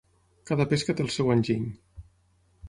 Cada pesca té el seu enginy.